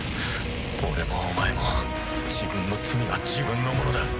俺もお前も自分の罪は自分のものだ。